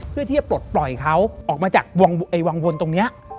เพื่อที่จะปลดปล่อยเขาออกมาจากวังวนตรงนี้